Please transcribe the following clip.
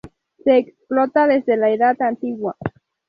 Se explota desde la Edad Antigua.